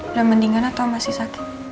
udah mendingan atau masih sakit